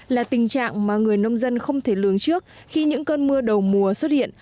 là tình trạng mà người nông dân không thể lường trước khi những cơn mưa đầu mùa xuất hiện